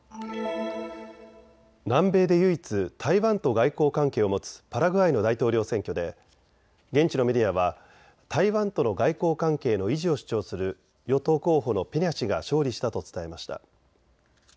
南米で唯一、台湾と外交関係を持つパラグアイの大統領選挙で現地のメディアは台湾との外交関係の維持を主張する与党候補のペニャ氏が勝利したと伝えました。